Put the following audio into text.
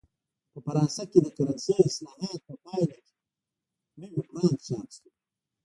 په فرانسه کې د کرنسۍ اصلاحاتو په پایله کې نوي فرانک چاپ شول.